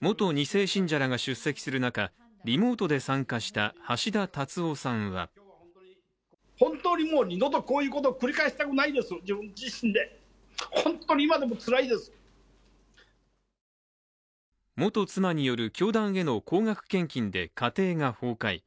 元２世信者らが出席する中リモートで参加した橋田達夫さんは元妻による教団への高額献金で家庭が崩壊。